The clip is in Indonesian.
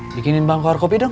bikinin bangku war kopi dong